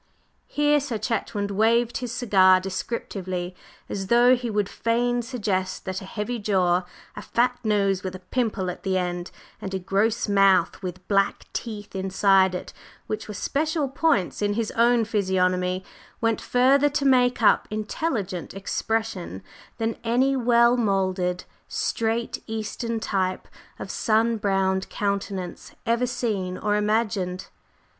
Here Sir Chetwynd waved his cigar descriptively, as though he would fain suggest that a heavy jaw, a fat nose with a pimple at the end, and a gross mouth with black teeth inside it, which were special points in his own physiognomy, went further to make up "intelligent expression" than any well moulded, straight, Eastern type of sun browned countenance ever seen or imagined.